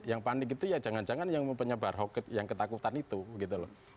yang panik itu ya jangan jangan yang penyebar hoax yang ketakutan itu gitu loh